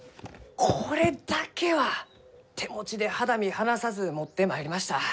これだけは手持ちで肌身離さず持ってまいりました！